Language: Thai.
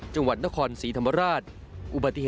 จังหวัดนครสีธรรมราช